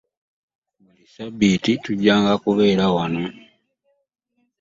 Buli ssabbiiti tujjanga kibeera wano.